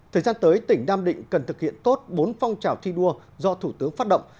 thời gian tới tỉnh nam định cần thực hiện tốt bốn phong trào thi đua do thủ tướng phát động